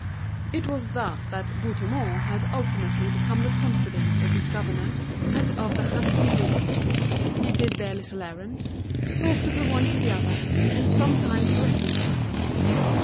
It was thus that Bouthemont had ultimately become the confidant of his governor and of the handsome widow; he did their little errands, talked of the one to the other, and sometimes reconciled them.